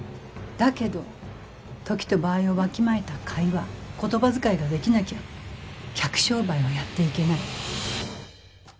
だけど時と場合をわきまえた会話言葉遣いができなきゃ客商売はやっていけない。